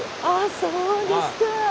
そうですか。